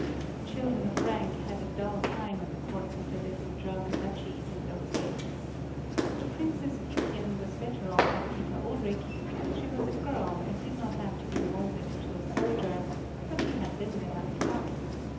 Children of rank had a dull time at the courts of the little German duchies in those days. The Princess Figchen was better off than Peter Ulric because she was a girl and did not have to be moulded into a soldier, but she had little enough fun.